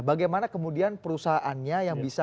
bagaimana kemudian perusahaannya yang bisa